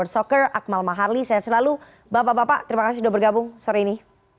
saya selalu bapak bapak terima kasih sudah bergabung sore ini